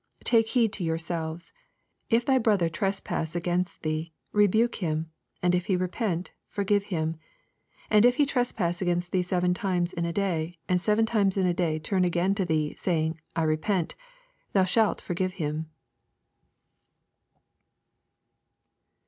8 Take heed to yourselves : If thy brother trespass against thee^ rebuke him ; and if he repent, for^ve him. 4 And if he trespass against thee seven times in a day, and seven times in a day turn again to thee, saying, I repent ; thou shalt forgive him.